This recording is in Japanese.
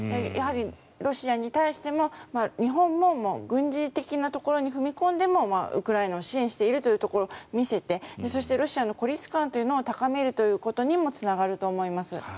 やはりロシアに対しても日本も軍事的なところに踏み込んでもウクライナを支援しているというところを見せてそしてロシアの孤立感というのを高めるということにもつながると思います。